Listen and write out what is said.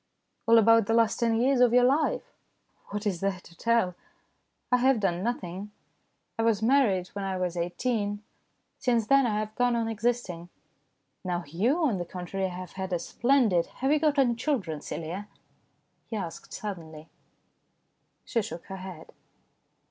" All about the last ten years of your life." " What is there to tell ? I have done nothing. I was married when I was eighteen. Since then I igo STORIES IN GREY have gone on existing. Now you, on the contrary, have had a splendid "" Have you got any children, Celia ?" he asked suddenly. She shook her head.